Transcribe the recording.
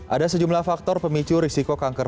ada sejumlah faktor pemicu risiko kanker